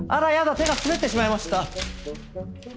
手が滑ってしまいました。